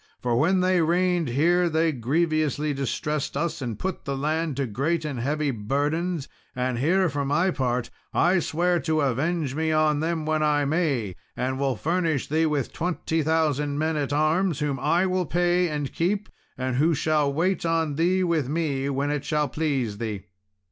For when they reigned here they grievously distressed us, and put the land to great and heavy burdens; and here, for my part, I swear to avenge me on them when I may, and will furnish thee with twenty thousand men at arms, whom I will pay and keep, and who shall wait on thee with me, when it shall please thee."